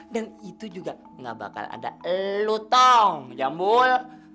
dan itu juga nggak bakal ada elu tong ya mul